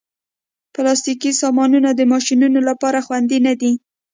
پلاستيکي سامانونه د ماشومانو لپاره خوندې نه دي.